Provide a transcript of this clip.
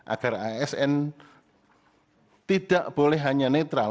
agar asn tidak boleh hanya netral